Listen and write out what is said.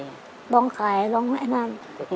ลงไข่ลงแม่น้ำ